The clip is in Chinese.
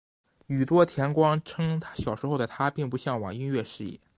宇多田光称小时候的她并不向往音乐事业。